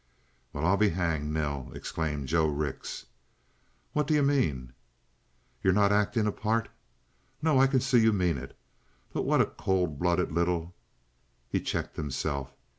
"Well, I'll be hanged, Nell!" exclaimed Joe Rix. "What do you mean?" "You're not acting a part? No, I can see you mean it. But what a cold blooded little " He checked himself.